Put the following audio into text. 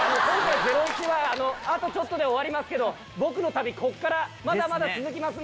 『ゼロイチ』はあとちょっとで終わりますけど僕の旅ここからまだまだ続きますので。